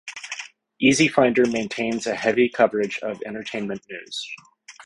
"Easy Finder" maintains a heavy coverage of entertainment news.